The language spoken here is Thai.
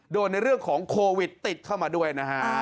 ในเรื่องของโควิดติดเข้ามาด้วยนะฮะ